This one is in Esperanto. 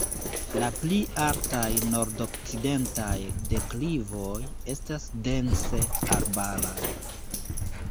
La pli altaj nordokcidentaj deklivoj estas dense arbaraj.